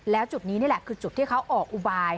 แล้วจุดนี้นี่แหละคือจุดที่เขาออกอุบาย